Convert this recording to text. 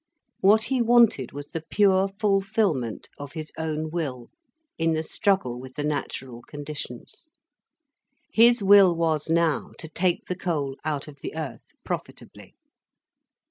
What he wanted was the pure fulfilment of his own will in the struggle with the natural conditions. His will was now, to take the coal out of the earth, profitably.